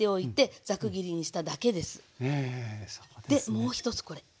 もう一つこれ。